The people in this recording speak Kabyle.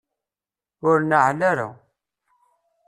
Ur neɛɛel ara.